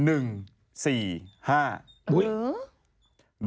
อุ๊ย